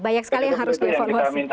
banyak sekali yang harus di informasi